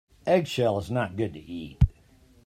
Eggshell is not good to eat.